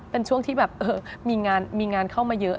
เป็นช่วงที่แบบมีงานเข้ามาเยอะ